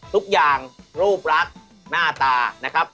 ทุกอย่างรูปรักหน้าตานะครับ